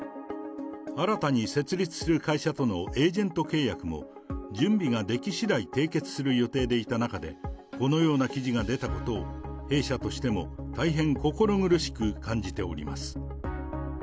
新たに設立する会社とのエージェント契約も、準備ができしだい締結する予定でいた中で、このような記事が出たことを、弊社としても大変心苦しく感じております。